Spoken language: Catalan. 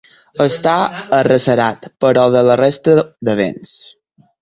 Està arrecerat, però, de la resta de vents.